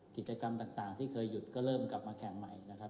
กิจกรรมต่างที่เคยหยุดก็เริ่มกลับมาแข่งใหม่นะครับ